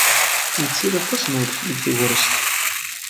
Yettili aṭas n wedfel deg tegrest.